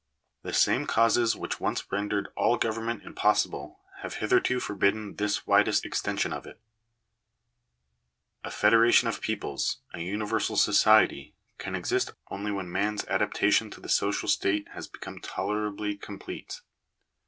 The same causes which once rendered J: all government impossible have hitherto forbidden this widest |i extension of it. A federation of peoples — a universal society, j 1 can exist only when man's adaptation to the social state has be i i come tolerably complete.